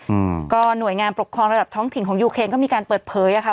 อืมก็หน่วยงานปกครองระดับท้องถิ่นของยูเครนก็มีการเปิดเผยอ่ะค่ะ